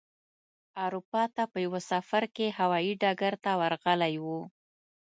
اروپا ته په یوه سفر کې هوايي ډګر ته ورغلی و.